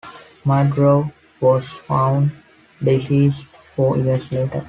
Miodrag was found, deceased, four years later.